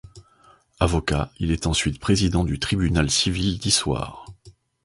Avocat, il est ensuite président du tribunal civil d'Issoire.